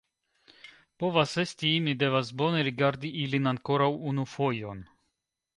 Povas esti; mi devas bone rigardi ilin ankoraŭ unu fojon.